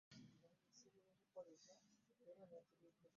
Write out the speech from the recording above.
Ensisinkano eno yeetabiddwamu Ssaabaminsita Dokita Ruhakana Rugunda